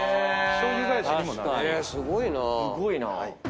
すごいな。